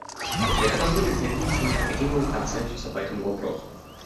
Это позволит добиться необходимого консенсуса по этому вопросу.